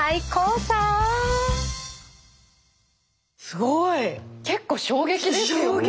すごい！結構衝撃ですよね。